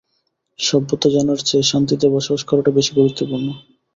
সত্যতা জানার চেয়ে শান্তিতে বসবাস করাটা বেশি গুরুত্বপূর্ণ।